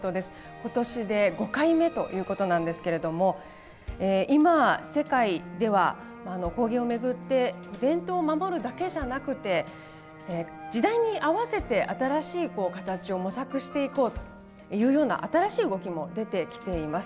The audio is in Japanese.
今年で５回目ということなんですけれども今世界では工芸を巡って伝統を守るだけじゃなくて時代に合わせて新しい形を模索していこうというような新しい動きも出てきています。